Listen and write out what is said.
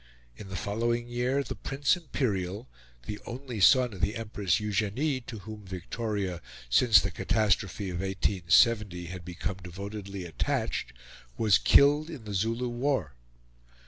In the following year the Prince Imperial, the only son of the Empress Eugenie, to whom Victoria, since the catastrophe of 1870, had become devotedly attached, was killed in the Zulu War.